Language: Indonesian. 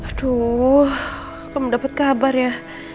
aduh kamu mendapat kabar ya